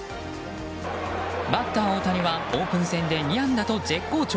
バッター大谷はオープン戦で２安打と絶好調！